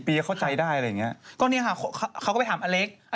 เดี๋ยวก่อนตอนเล่นละครกันตอนนี้ก็น่าจะ๒๔๒๕ละ